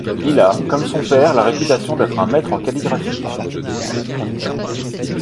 Il a comme son père la réputation d'être un maître en calligraphie.